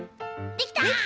できた！